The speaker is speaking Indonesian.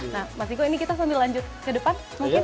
nah mas diko ini kita sambil lanjut ke depan